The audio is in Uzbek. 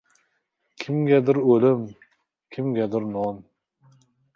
• Kimgadir o‘lim — kimgadir non.